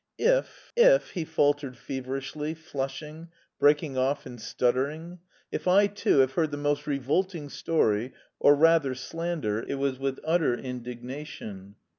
"If... if..." he faltered feverishly, flushing, breaking off and stuttering, "if I too have heard the most revolting story, or rather slander, it was with utter indignation...